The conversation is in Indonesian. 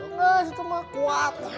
enggak itu mah kuat